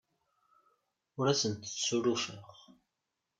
Ur asent-ssurufeɣ.